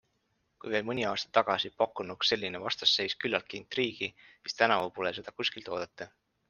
Kui veel mõni aasta tagasi pakkunuks selline vastasseis küllalt intriigi, siis tänavu pole seda kuskilt oodata.